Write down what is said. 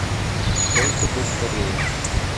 Только бы скорее.